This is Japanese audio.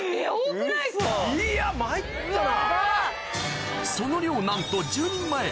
いや参ったな。